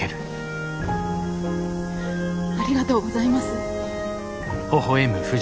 ありがとうございます。